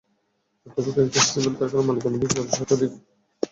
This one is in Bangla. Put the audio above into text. তবে কয়েকটি সিমেন্ট কারখানার মালিকানাধীন দেড় শতাধিক জাহাজে পণ্য পরিবহন হচ্ছে।